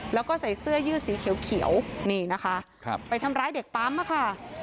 แล้วก็ใส่เสื้อยืดสีเขียวนี่นะคะไปทำร้ายเด็กปั๊มอะค่ะ